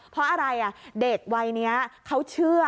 เพราะอะไรเด็กวัยนี้เขาเชื่อ